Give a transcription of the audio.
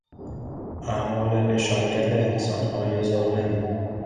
اعمال نشانگر انسانهای ظالم